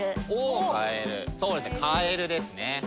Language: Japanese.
そうですねカエルですね。